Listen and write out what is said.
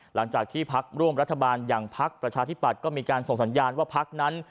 หลังจากที่พักร่วมรัฐบาลอย่างพักประชาธิปัตย์ก็มีการส่งสัญญาณว่าพักนั้น